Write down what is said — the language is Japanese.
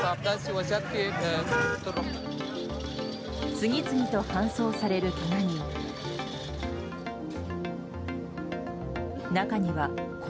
次々と搬送されるけが人。